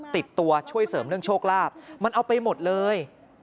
ติดตัวช่วยเสริมเรื่องโชคลาภมันเอาไปหมดเลย